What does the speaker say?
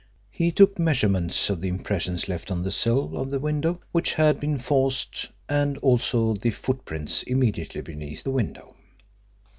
He took measurements of the impressions left on the sill of the window which had been forced and also of the foot prints immediately beneath the window.